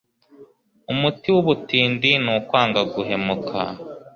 umuti w'ubutindi ni ukwanga guhemuka